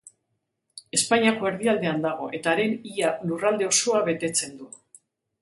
Espainiako erdialdean dago, eta haren ia lurralde osoa betetzen du.